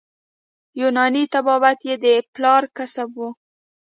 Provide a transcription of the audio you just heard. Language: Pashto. یوناني طبابت یې د پلار کسب وو.